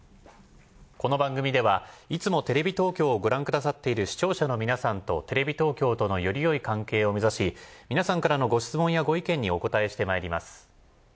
この番組ではいつもテレビ東京をご覧くださっている視聴者の皆さんとテレビ東京とのよりよい関係を目指し皆さんからのご質問やご意見にお答えしてまいります。